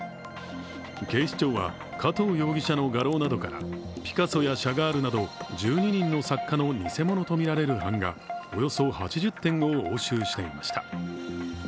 警視庁は、加藤容疑者の画廊などからピカソやシャガールなど１２人の作家の偽物とみられる版画、およそ８０点を押収していました。